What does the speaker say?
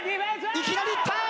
いきなりいった！